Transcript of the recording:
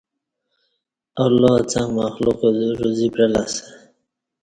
اللہ څݩگ مخلوقہ روزی پعلہ اسہ